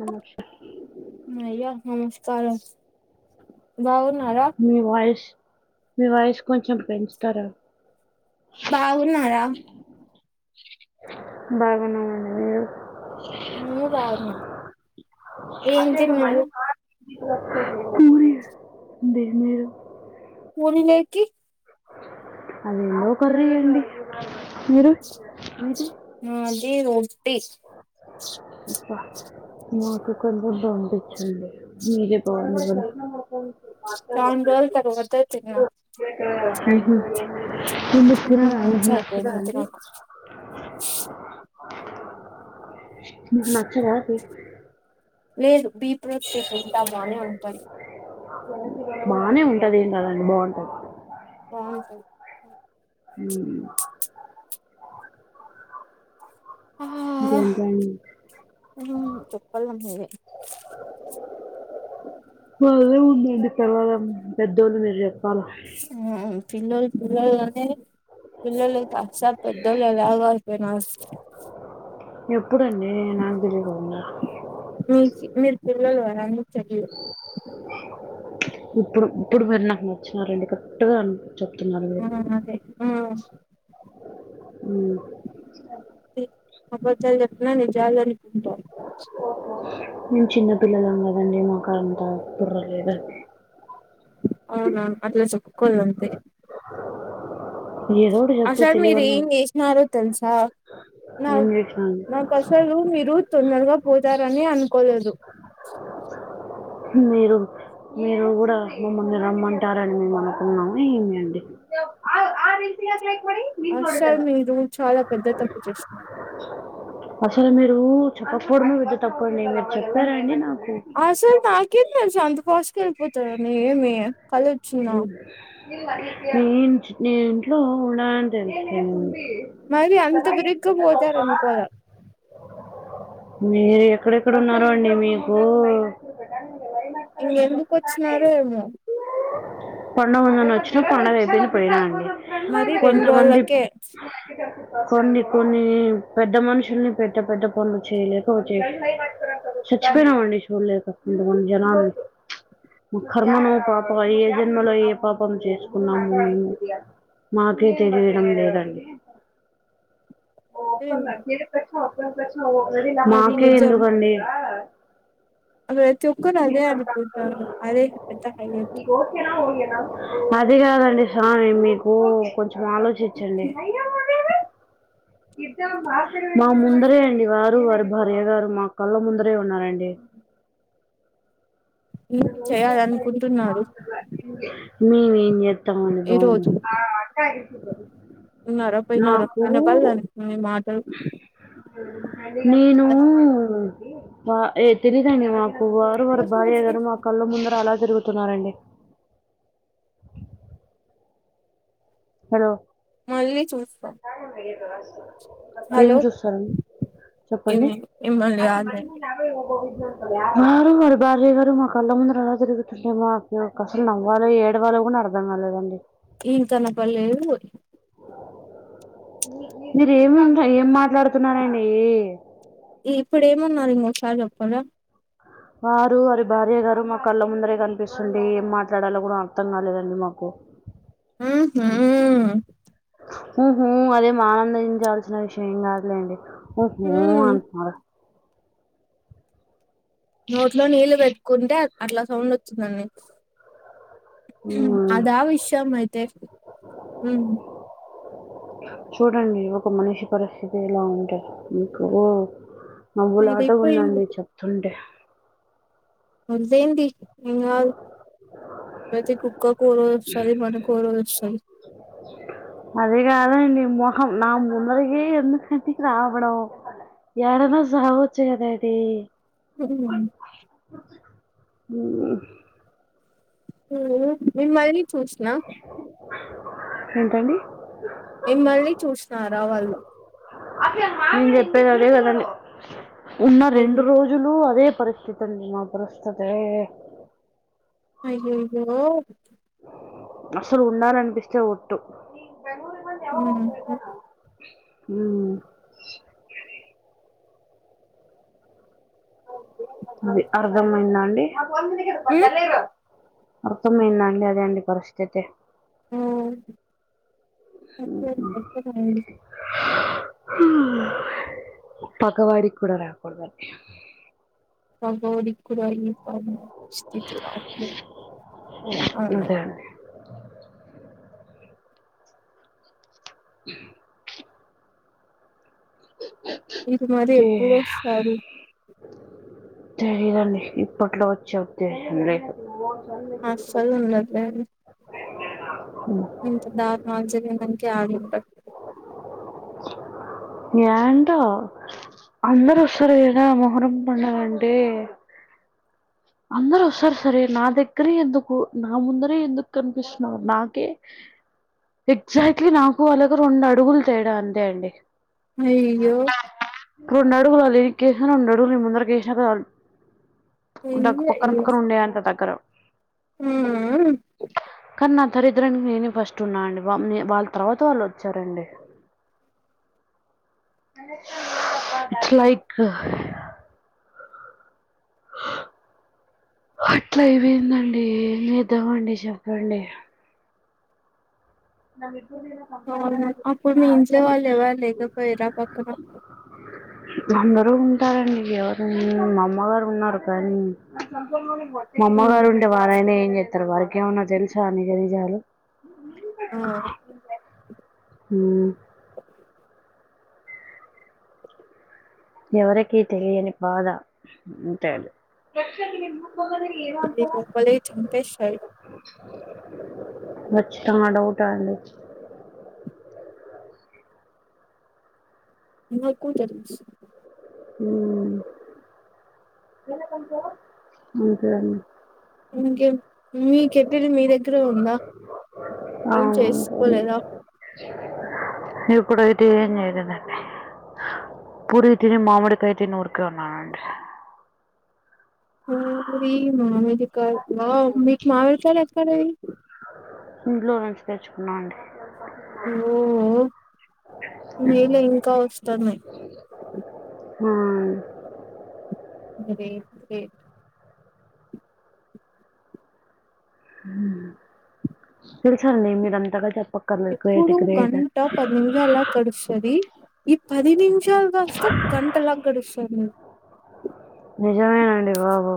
నమస్ ఉ అయ్యా నమస్కారం బాగున్నారా మీ వాయిస్ మీ వాయిస్ కొంచెం పెంచుతారా బాగున్నారా బాగాన్నామండి మీరు మేము బాగున్నాం ఏం అదే అది తిన్నారు మనీ మ దేమి లేదు వో నిలేకి ఆది అందో కర్రీ లేండి మీరు మిది మాది రొట్టి అబ్బా మాకు కొంచెం పంపించండి మీదే బాగుంది కూడా చానా రోజులు తరువాత తిన్నా ఉహు ఎందుకు కొన్ని తిన్నారా అండి మంత్స్ మీకు నచ్చదా అయిపోయింది అండి తినక మీకు నచ్చదా అది లేదు బీప్ రొట్టె తింటామా అని ఉంటుంది బానే ఉంటది ఏం కదండి బాగుంటది బాగుంటది ఉ ఇంకేంటి అండి ఉమ్ చెప్పల మీరే మదెం ఉందండి పిల్లలం పెద్దోళ్ళు మీరు చెప్పాల ఉమ్ పిలొల్లు పిల్లొలు అనే పిల్లలు కాస్త పెద్దోళ్లలాగ అయిపోయినారు ఎప్పుడండి నాకు తెలిదు అవన్నీ మీకు మీరు పిలొల్లు కదా అండి తెలీదు ఇప్పుడు ఇప్పుడు మీరు నాకు నచ్చినారండి కరక్ట్గ చెప్తున్నారు ఆ మీరు అదే ఆ ఉ అబద్దాలు చెప్పిన నిజాలు అనుకుంటావు మేము చిన్న పిల్లలం కదండి మాకు అంత బుర్ర లేదం అవునా అట్లా చప్పుకోలంతె ఏదో ఒకటి చెప్పి అసలు మీరు తెలియని ఏం చేసినారో తెలుస నా ఏం చేసినాండి నా అసలు మీరు తొందరగా పోతారనే అనుకోలేదు మీరు మీరు కూడ మమ్మల్ని రమ్మంటారని మేము అనుకున్నాం ఏంది అండి [unintelligible] మీ కోడి అసలు గద మీరు చాలా పెద్ద తప్పు చేస్తున్నారు అస్సలు మీరు చెప్పక్పోడమే పెద్ద తప్పండి మీరు చెప్పారాండి నాకు అస్సలు నాకేం తెల్సు అంత ఫస్ట్గా వెళ్ళిపోతారని ఏమి కలొచ్చిందా నే నేనింట్లో ఉండాలని తె [unintelligible] మరి అంత బిరిగ్గా పోతారుఅని అనుకోలే మీరెక్కడెక్కడున్నారో అండి మీకూ [unintelligible] ఇంగెందుకొచ్చినారో ఏమో పండగుందని ఒచ్చిన పండగైపోయింది పోయినాండి మరి రెండు కొంతమంది రోజులకే కొన్ని కొన్ని పెద్ద మనుషుల్ని పెద్ద పెద్ద పనులు చేయలేక ఒచ్చే చచ్చిపోయినామండి చూడ్లేక కొంతమంది జనాలు మా కర్మను పాప అయ్య ఎ జన్మలో ఏ పాపం చేసుకున్నామో మాకే తెలియడం లేదండి అంటేంది మాకే నిజం ఎందుకండి ప్రతి ఒక్కరు అదే అనుకుంటారు అదే పెద్ద హైలైట్ ఇగో అది గాదండి సామి మీకు కొంచెం ఆలోచించండి మా ముందరే అండి వా రు వారి భార్య గారు మా కళ్ళ ముందరే ఉన్నారండి ఏం చేయాలనుకుంటున్నారు మేమేంజేత్తమండి ఈ బాబు రోజు [unintelligible] ఉన్నార పోయినర నాకు వినపడలే నాకి మీ మాటలు నేను ఆ ఎ తెలిదండి [unintelligible] వారు వారి భార్య గారు మా కళ్ళ ముందర అలా తిరుగుతున్నారండి హలో మళ్ళీ చూస్కో బాగుందిగదాస్తూ [unintelligible] ఏం చూస్తాంది చెప్పండి? ఏమి మిమ్మల్ని కాదులేండి వారు వారి భార్య గారు మా కళ్ళ ముందు అలా దిరుగుతుంటే వావ్ నాకసలు నవ్వాలో ఏడవాలో గూడా అర్థం కాలేదండి. ఈయనతోన పనిలేదు ఉయ్ మీరేమంత ఏం మాట్లాడ్తున్నారండీ? ఇప్పుడేమన్నారో ఇంకోసారి చెప్పరా? వారు వారి భార్య గారు మా కళ్ళ ముందరే కనిపిస్తుంటే ఏం మాట్లాడాలో కూడా అర్థం కాలేదండి మాకు. మ్ హూ మ్ హూ అదేమి ఆనందించాల్సిన విషయం కాదులేండి ఊహూ ఊ అంటున్నారు. నోట్లో నీళ్ళు వెట్టుకుంటే అట్లా సౌండొచ్చిందండి. హ్మ్. అదా విషయం అయితే చూడండి ఒక మనిషి పరిస్థితి ఎలా ఉందో మీకూ నవ్వులాటగా అదైపోయింది ఉందండి చెప్తుంటే. వదిలేయండి ఏం గాదు. ప్రతి కుక్క కుక్క కో రోజు వస్తాది. మన కో రోజు వస్తాది. అదే కాదాండి మొహం నా ముందరకి ఎందుకండీ రావడం యాడన్న సావొచ్చు కదేటి. సిటీలోనే ఉ [inaudible] మ్ హు మిమ్మల్ని చూసినా ఏంటండీ? మిమల్ని చూసినారా వాళ్ళు. నేను చెప్పేది అదే కాదండీ ఉన్న రెండు అయ్యో రోజులు అదే పరిస్థితి అండి మా పరిస్థితి. అయ్యయ్యో అసలు ఉండాలనిపిస్తే ఒట్టు మ్ మ్ అది అర్ధంమైందా అండి. అర్థమైందండి అదే అండి పరిస్థితి. ఓం వచ్చేది నచ్చేట్టు లేదు. పగవాడి కి కూడా రాకూడదండి. పగోడికి కూడ ఈ పరిస్థితి రాకూడదు. అదే అండి ఇప్పుడు మరి ఎప్పుడు తే- వస్తారు. తెలీదండి ఇప్పట్లో వచ్చే ఉద్దేశ్యం లేదు. మూడు సార్లు తిరిగిపిచ్చినావు. అస్సలు ఉండట్లేదు పొద్దాకా మంచూరియా తినడానికే ఆడుంటాడు. ఏంటో అందరూ వస్తారు ఈడ మొహరం పండగ అంటే అందరూ వస్తారు సరే, నా దగ్గరే ఎందుకు నా ముందరే ఎందుకు కనిపిస్తున్నావు నాకే. ఎగ్జాక్ట్లీ నాకు అలాగ రెండు అడుగులు తేడా అంతే అండి అయ్యో రెండడుగులు అడి వెనక్కి వేసాను రెండడుగులు ముందలికి వేసాను ఎంలే ఇగ నీ అంత దగ్గర ఊ ఊ కానీ నా దరిద్రానికి నేనే ఫస్ట్ ఉన్నా అండి వాళ్ళ తర్వాత వాళ్ళు వచ్చారండి ఇట్స్ లైక్ అట్ల అయిపోయిందండి ఏం చేద్దామండి చెప్పండి నం విప్పుంది అవును అప్పుడు మీ ఇంట్ల వాళ్ళు ఎవరు లేకపోయిరా పక్కన అందరు ఉంటారండి ఎవరన్న మా అమ్మగారు ఉన్నారు కానీ మా హ్మ్ అమ్మగారు ఉంటే వారైనా ఏం చెత్తరు వారికి ఏమన్నా తెలుసా అండి నిజాలు ఆ ఉమ్ ఎవరికిీ తెలియని బాధ అంటే ప్రతి [unintelligible] చంపేసి అబ్బాచా డౌట అండి మాకు తెలుసు ఉమ్ అంతే అండి ఇంకే మీ కెటిల్ మీ దగ్గరే ఉందా ఏం అవును, అంతే అండి. చేసుకోలేదా ఇప్పుడైతే ఏం చేయలేదండి పూరీలు తిని మామిడికాయ తిని ఊరికే ఉన్నానండి పూరి మామిడికాయ వావ్ మీకు మామిడికాయలు ఎక్కడివి ఇంట్లో నుంచి తెచ్చుకున్నాం అండి ఓహో మేలే ఇంకా వస్తన్నాయి ఆ వే ఏ తెల్స్ అండీ మీరు అంతగా చెప్పక్ ఎప్పుడు గంట పది నిమిషాలాగ్ గడుస్తది ఈ పది నిమిషాలు గాస్త గంటలా గడుస్తది నాక్ నిజమేనండి బాబు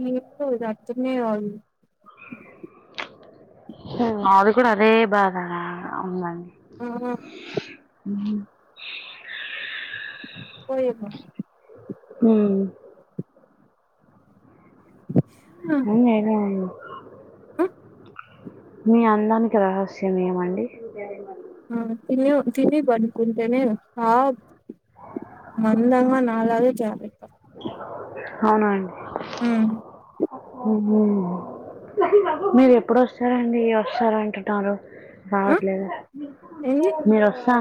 ఏందో ఇది అర్థమే కాదు మాది కూడా అదే బాధ నా ఉంది అండీ ఆ ఉ కోయేద్నా ఉమ్ ఆ [unintelligible] ఉంది మీ అందానికి రహస్యం ఏం అండీ ఆ తిన్లేవు తిని [unintelligible] తింటేనే ఆవ్ మందంగా నాలెగె [unintelligible] అవున అండీ ఉ ఉహు మీరు ఎప్పుడు వొస్తారు అండీ వొస్తార్ అంటున్నారు ఆ రావట్లేద ఏంది మీరు వొస్తా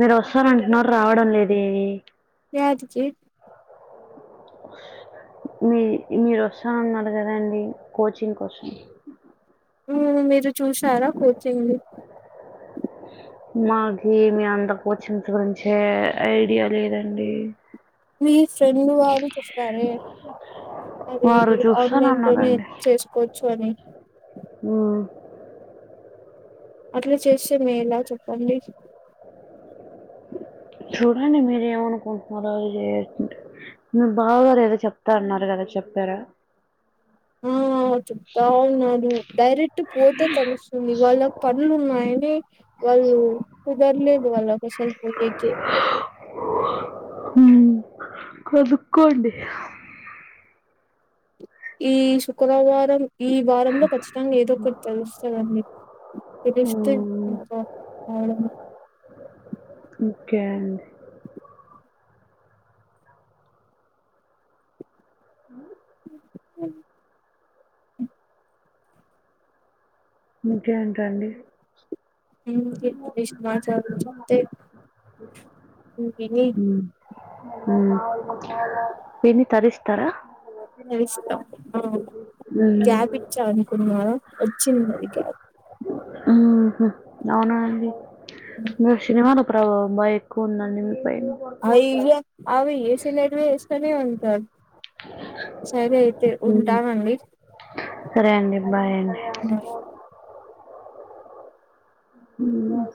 మీరు వస్తార్ అంటున్నారు రావడం లేదే యాడికి మీ మీరు వొస్తాను అన్నార్ కదా అండీ కోచింగ్ కోసం మీరు చూసారా కోచింగ్ మాకి మీ అంత కోచింగ్స్ గురించే ఐడియా లేదండి మీ ఫ్రెండ్ వాళ్ళు చెప్తారె అది వారు ఆన్లైన్ లోనే చూస్తానన్నారండి చేసుకోవొచ్చు అని ఉ అట్లా చేస్తే మేలా చెప్పండి చూడండి మీరు ఏమనుకుంట్నారో ఏ జే మీ బావ గారు ఏదో చెప్తా అన్నారు గదా చెప్పారా ఉమ్ చెప్తా ఉన్నాడు డైరెక్ట్ పోతే తెలుస్తుంది ఇవాళ పనులు ఉన్నాయని వాళ్ళు కుదర్లేదు వాళ్ళ అసలు పోనికి ఉమ్ కొనుకోండి ఈ శుక్రవారం ఈ వారంలో ఖచ్చితంగా ఏదో ఒకటి తెలుస్తది అండీ తెలిస్తే మ్మ్. పోవడం ఓకే అండి ఉ ఇంకేంటండి ఉ సమాచారం చెప్తే విని ఉమ్ విని తరిస్తారా తెలుసతా ఆ మ్మ్. గ్యాప్ ఇచ్చా అనుకున్నారా వొచ్చింది అది గ్యాప్ ఉహు అవునా అండి గ్యాప్ ఇవాళ శనివారం ప్రాబ బైక్ ఉంది అండీ మీ పైన ఆ ఈ వ అవి ఇవి ఏసి లేటివి ఏస్కోని ఉంటారు సరే అయితే మ్మ్. ఉంటాను అండీ సరే అండి బాయ్ అండి ఆ ఎమ్మో